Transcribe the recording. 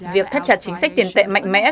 việc thắt chặt chính sách tiền tệ mạnh mẽ